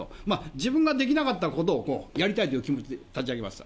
自分ができなかったことをやりたいという気持ちで立ち上げました。